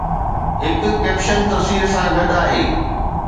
هڪ ڪيپشن تصوير سان گڏ آهي